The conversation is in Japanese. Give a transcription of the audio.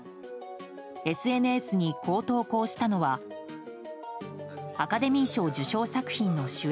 ＳＮＳにこう投稿したのはアカデミー賞受賞作品の主演